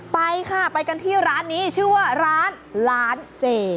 ไปค่ะไปกันที่ร้านนี้ชื่อว่าร้านร้านเจ